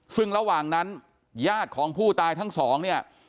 ซึ่งระหว่างนั้นญาติของผู้ตายทั้งสองเนี่ย